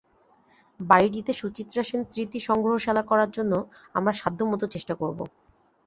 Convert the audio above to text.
বাড়িটিতে সুচিত্রা সেন স্মৃতি সংগ্রহশালা করার জন্য আমরা সাধ্যমতো চেষ্টা করব।